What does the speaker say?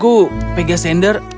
kaka sulungku pegasender